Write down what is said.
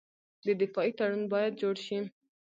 دفاعي تړون باید جوړ شي.